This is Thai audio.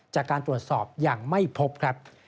จากการตรวจสอบยังไม่พบครับ